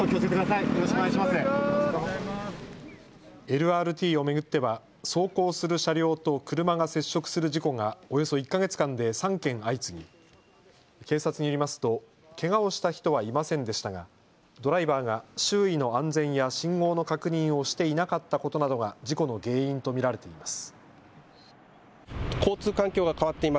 ＬＲＴを巡っては走行する車両と車が接触する事故がおよそ１か月間で３件相次ぎ警察によりますとけがをした人はいませんでしたがドライバーが周囲の安全や信号の確認をしていなかったことなどが事故の原因と見られています。